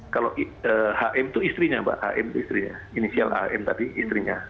kalau hm itu istrinya mbak hm istrinya inisial am tadi istrinya